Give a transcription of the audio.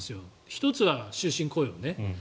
１つは終身雇用ね。